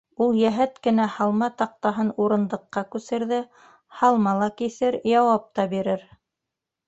Ул йәһәт кенә һалма таҡтаһын урындыҡҡа күсерҙе: һалма ла киҫер, яуап та бирер.